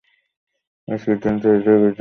আজকের দিনটা হৃদয়বিদারক একটি দিন।